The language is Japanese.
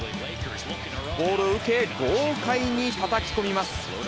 ボールを受け、豪快にたたき込みます。